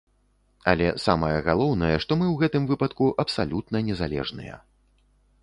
Але самае галоўнае, што мы ў гэтым выпадку абсалютна незалежныя.